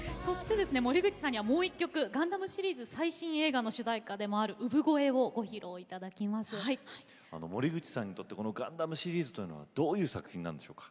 森口さんにもう１曲ガンダムシリーズ最新映画の主題歌でもある「Ｕｂｕｇｏｅ」を森口さんにとってガンダムシリーズはどういう作品なんでしょうか。